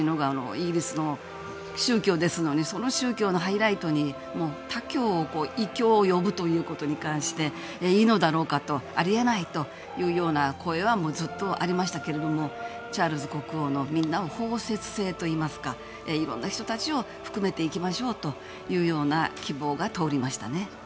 イギリスの宗教ですのにその宗教のハイライトに他教、異教を呼ぶことに対していいのだろうかとあり得ないというような声はずっとありましたけれどもチャールズ国王の包摂性といいますかいろんな人たちを含めていきましょうという希望が通りましたね。